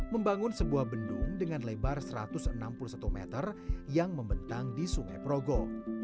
membangun sebuah bendung dengan lebar satu ratus enam puluh satu meter yang membentang di sungai progo